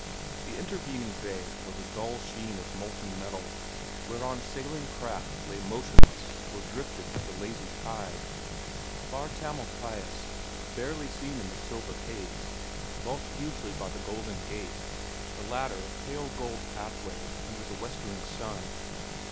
The intervening bay was a dull sheen of molten metal, whereon sailing craft lay motionless or drifted with the lazy tide. Far Tamalpais, barely seen in the silver haze, bulked hugely by the Golden Gate, the latter a pale gold pathway under the westering sun.